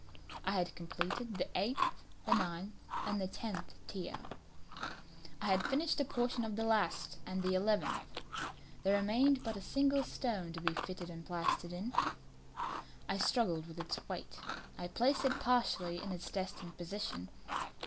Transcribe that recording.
I had completed the eighth, the ninth, and the tenth tier. I had finished a portion of the last and the eleventh; there remained but a single stone to be fitted and plastered in. I struggled with its weight; I placed it partially in its destined position.